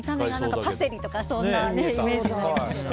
パセリとかそんなイメージですよね。